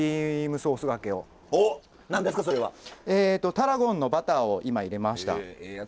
タラゴンのバターを今入れました。